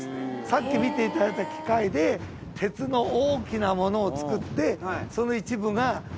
さっき見ていただいた機械で鉄の大きなものをつくってその一部が船を造ったり。